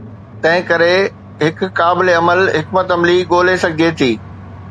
تنهنڪري هڪ قابل عمل حڪمت عملي ڳولي سگهجي ٿي.